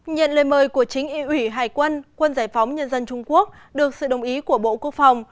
nhận lời mời của chính ủy hải quân quân giải phóng nhân dân trung quốc được sự đồng ý của bộ quốc phòng